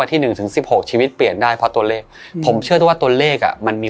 ตื่นเช้ามาพี่เห็นตัวเลขอะไร